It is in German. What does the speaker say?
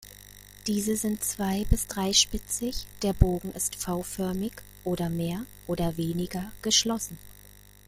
Diese sind zwei- bis dreispitzig, der Bogen ist V-förmig oder mehr oder weniger geschlossen.